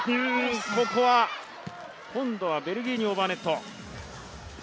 今度はベルギーにオーバーネット。